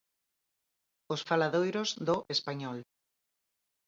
Os faladoiros do 'Español'.